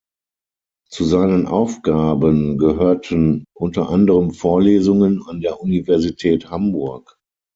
Zu seinen Aufgaben gehörten unter anderem Vorlesungen an der Universität Hamburg.